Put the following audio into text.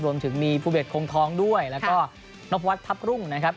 รวมถึงมีภูเดชคงทองด้วยแล้วก็นพวัดทัพรุ่งนะครับ